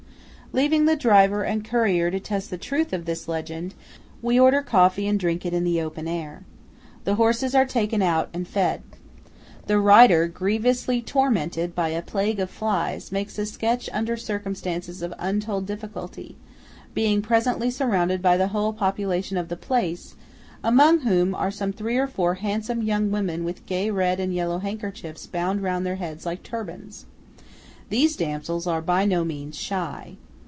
Leaving the driver and courier to test the truth of this legend, we order coffee and drink it in the open air. The horses are taken out and fed. The writer, grievously tormented by a plague of flies, makes a sketch under circumstances of untold difficulty, being presently surrounded by the whole population of the place, among whom are some three or four handsome young women with gay red and yellow handkerchiefs bound round their heads like turbans. These damsels are by no means shy.